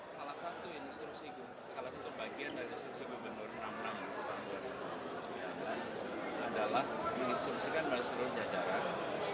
salah satu bagian dari instruksi gubernur enam puluh enam tahun dua ribu sembilan belas adalah menginstruksikan oleh seluruh jajaran